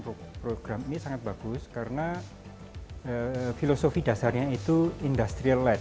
program ini sangat bagus karena filosofi dasarnya itu industrialized